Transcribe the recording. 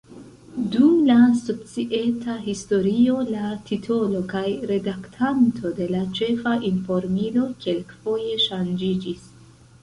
Dum la societa historio la titolo kaj redaktanto de la ĉefa informilo kelkfoje ŝanĝiĝis.